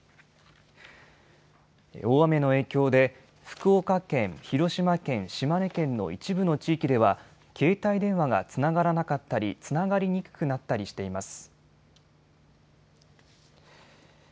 大雨の影響で福岡県、広島県、島根県の一部の地域では携帯電話がつながらなかったりつながりにくくなったりしています。